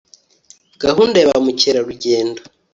gahunda ya ba mukerarugendo